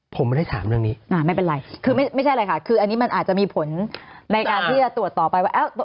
ผมไม่ได้ถามเรื่องนี้ไม่เป็นไรคือไม่ใช่อะไรค่ะคืออันนี้มันอาจจะมีผลในการที่จะตรวจต่อไปว่า